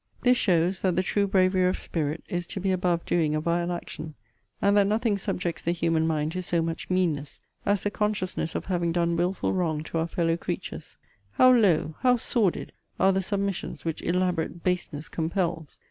This shows, that the true bravery of spirit is to be above doing a vile action; and that nothing subjects the human mind to so much meanness, as the consciousness of having done wilful wrong to our fellow creatures. How low, how sordid, are the submissions which elaborate baseness compels!